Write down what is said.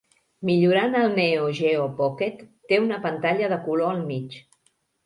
Millorant el Neo Geo Pocket, té una pantalla de color al mig.